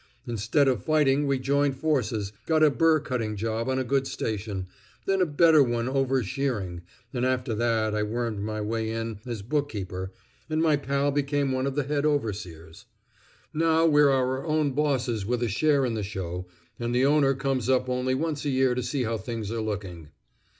Instead of fighting we joined forces, got a burr cutting job on a good station, then a better one over shearing, and after that I wormed my way in as bookkeeper, and my pal became one of the head overseers. Now we're our own bosses with a share in the show, and the owner comes up only once a year to see how things are looking."